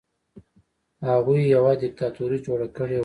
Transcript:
هغوی یوه دیکتاتوري جوړه کړې وه.